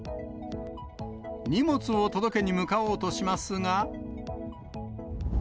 荷物を届けに向かおうとしますが。